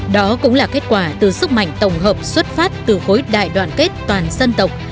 đó cũng là kết quả từ sức mạnh tổng hợp xuất phát từ khối đại đoàn kết toàn dân tộc